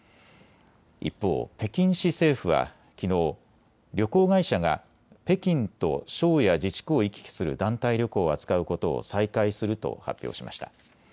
一方、北京市政府はきのう、旅行会社が北京と省や自治区を行き来する団体旅行を扱うことを再開すると発表しました。